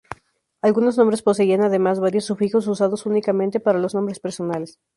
Algunos nombres poseían además varios sufijos usados únicamente para los nombres personales.